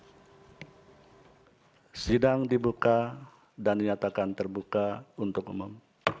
hai sidang dibuka dan nyatakan terbuka untuk umum